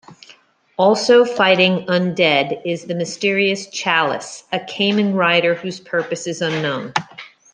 Also fighting Undead is the mysterious Chalice, a Kamen Rider whose purpose is unknown.